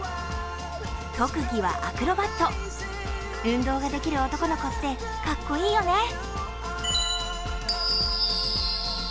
特技はアクロバット、運動ができる男の子って、かっこいいよね！